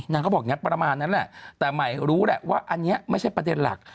เขาบอกอย่างนี้ประมาณนั้นแหละแต่ใหม่รู้แหละว่าอันนี้ไม่ใช่ประเด็นหลัก